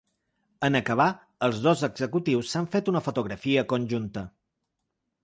En acabar, els dos executius s’han fet una fotografia conjunta.